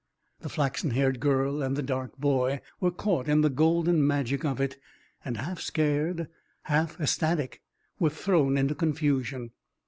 The flaxen haired girl and the dark boy were caught in the golden magic of it and, half scared, half ecstatic, were thrown into confusion.